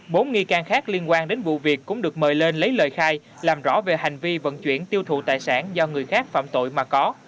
bốn nghi can khác liên quan đến vụ việc cũng được mời lên lấy lời khai làm rõ về hành vi vận chuyển tiêu thụ tài sản do người khác phạm tội mà có